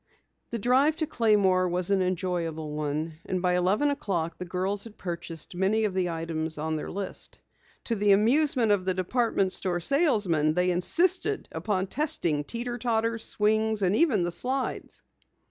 The drive to Claymore was an enjoyable one, and by eleven o'clock, the girls had purchased many of the items on their list. To the amusement of the department store salesman, they insisted upon testing teeter totters, swings, and even the slides.